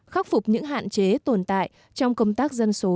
khắc phục những hạn chế tồn tại trong công tác dân số